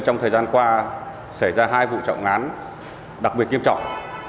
trong thời gian qua xảy ra hai vụ trọng án đặc biệt nghiêm trọng